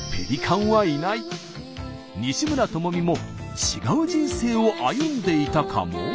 西村知美も違う人生を歩んでいたかも？